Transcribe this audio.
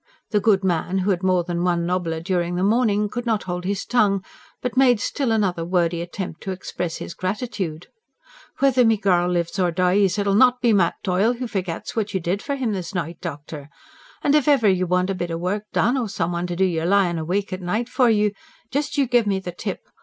The good man, who had more than one nobbler during the morning could not hold his tongue, but made still another wordy attempt to express his gratitude. "Whither me girl lives or dies, it'll not be Mat Doyle who forgits what you did for him this night, doctor! An' if iver you want a bit o' work done, or some one to do your lyin' awake at night for you, just you gimme the tip.